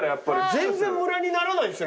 全然むらにならないですね。